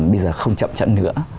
bây giờ không chậm chân nữa